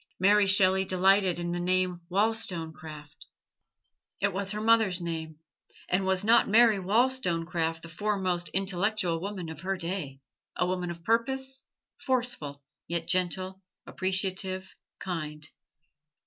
Mary Shelley delighted in the name Wollstonecraft. It was her mother's name; and was not Mary Wollstonecraft the foremost intellectual woman of her day a woman of purpose, forceful yet gentle, appreciative, kind?